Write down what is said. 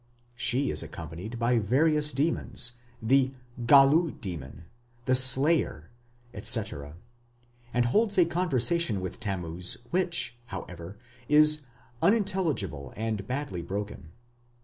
She is accompanied by various demons the "gallu demon", the "slayer", &c. and holds a conversation with Tammuz which, however, is "unintelligible and badly broken".